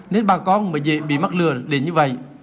nên bà con mới dễ bị mắc lừa đến như vậy